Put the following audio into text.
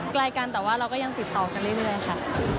ใกล้กันแต่ว่าเราก็ยังติดต่อกันเรื่อยค่ะ